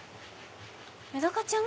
メダカちゃん？